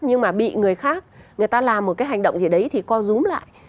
nhưng mà bị người khác người ta làm một cái hành động gì đấy thì co rúm lại